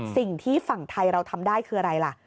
สิ่งที่ฝั่งไทยเราทำได้คืออะไรล่ะ